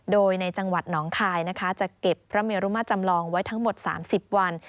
โดยในจังหวัดหนองคายนะคะจะเก็บพระเมรุมาจำลองไว้ทั้งหมด๓๐วัน